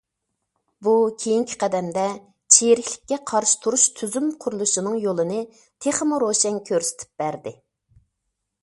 بۇ كېيىنكى قەدەمدە چىرىكلىككە قارشى تۇرۇش تۈزۈم قۇرۇلۇشىنىڭ يولىنى تېخىمۇ روشەن كۆرسىتىپ بەردى.